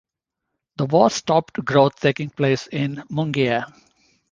The war stopped growth taking place in Mungia.